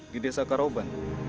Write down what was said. di desa karoban